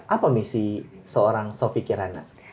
apa misi seorang sofi kirana